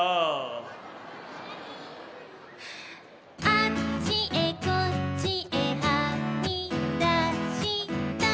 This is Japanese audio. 「あっちへこっちへはみだした」